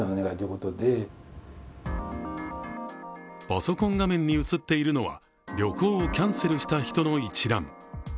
パソコン画面に写っているのは旅行をキャンセルした人の一覧。